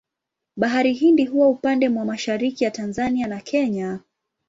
Bahari Hindi huwa upande mwa mashariki ya Tanzania na Kenya.